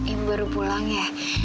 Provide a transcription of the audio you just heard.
ibu baru pulang ya